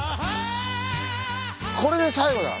これで最後だ！